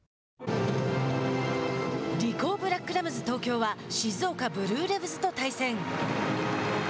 リコーブラックラムズ東京は静岡ブルーレヴズと対戦。